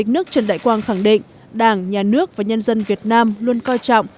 nước trần đại quang khẳng định đảng nhà nước và nhân dân việt nam luôn coi trọng